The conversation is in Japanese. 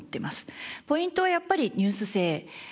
ポイントはやっぱりニュース性で。